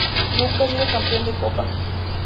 Nunca ha sido campeón de Copa.